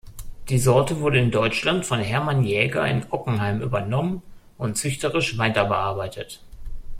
Die Sorte wurde in Deutschland von Hermann Jäger in Ockenheim übernommen und züchterisch weiterbearbeitet.